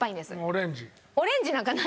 オレンジなんかない。